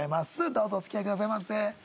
どうぞお付き合いくださいませ。